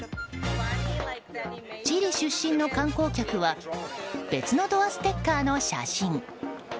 チリ出身の観光客は別のドアステッカーの写真。